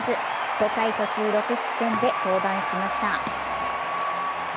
５回途中６失点で降板しました。